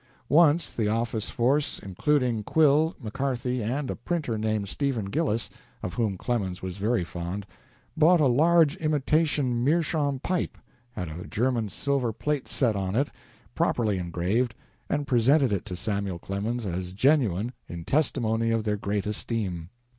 Once the office force, including De Quille, McCarthy, and a printer named Stephen Gillis, of whom Clemens was very fond, bought a large imitation meerschaum pipe, had a German silver plate set on it, properly engraved, and presented it to Samuel Clemens as genuine, in testimony of their great esteem.